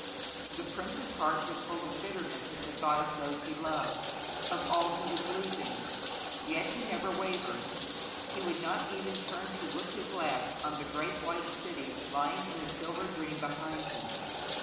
The prince's heart was full of bitterness at the thought of those he loved, of all that he was losing. Yet he never wavered. He would not even turn to look his last on the great white city lying in a silver dream behind him.